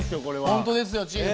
本当ですよチーフ。